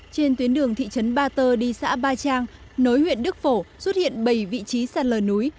trên tuyến đường thị trấn ba tơ đi xã ba trang nối huyện đức phổ xuất hiện bảy vị trí sạt lở núi